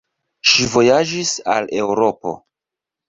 Ŝi vojaĝis al Eŭropo.